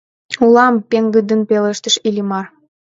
— Улам! — пеҥгыдын пелештыш Иллимар.